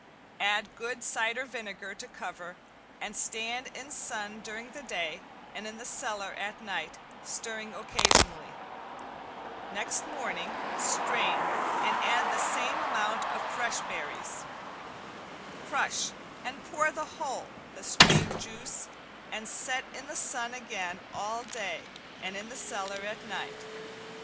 Add good cider vinegar to cover and stand in sun during the day and in the cellar at night, stirring occasionally. Next morning strain and add the same amount fresh berries. Crush and pour the whole, the strained juice, and set in the sun again all day and in the cellar at night.